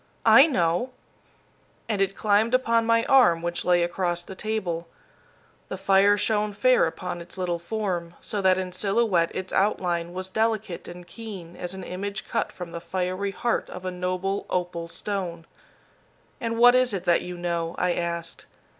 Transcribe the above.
"I know." And it climbed upon my arm which lay across the table. The fire shone fair upon its little form, so that in silhouette its outline was delicate and keen as an image cut from the fiery heart of a noble opal stone. "And what is it that you know?" I asked.